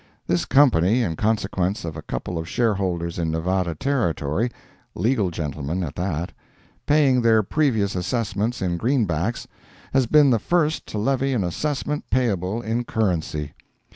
This Company, in consequence of a couple of shareholders in Nevada Territory, (legal gentlemen at that,) paying their previous assessments in green backs, has been the first to levy an assessment payable in currency.